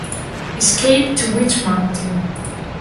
Escape to Witch Mountain